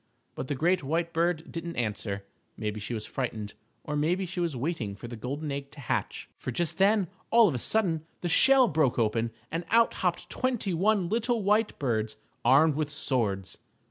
But the great white bird didn't answer. Maybe she was frightened, or maybe she was waiting for the golden egg to hatch, for just then, all of a sudden, the shell broke open and out hopped twenty one little white birds armed with swords.